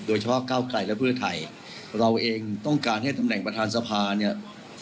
ก้าวไกลและเพื่อไทยเราเองต้องการให้ตำแหน่งประธานสภาเนี่ย